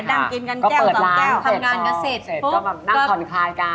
นั่งกินกันเจ้าสองเจ้าเติมหน้าก็เสร็จก็แบบนั่งถอนคลายการ